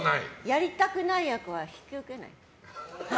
やりたくない役は引き受けない。